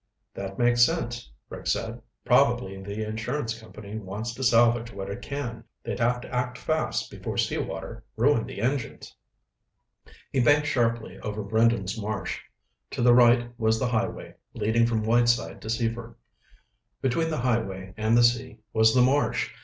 "That makes sense," Rick said. "Probably the insurance company wants to salvage what it can. They'd have to act fast before sea water ruined the engines." He banked sharply over Brendan's Marsh. To the right was the highway leading from Whiteside to Seaford. Between the highway and the sea was the marsh.